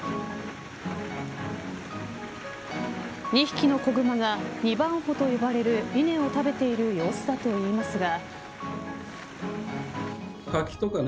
２匹の子グマが二番穂と呼ばれる稲を食べている様子だといいますが。